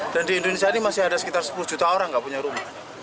dan di indonesia ini masih ada sekitar sepuluh juta orang yang tidak punya rumah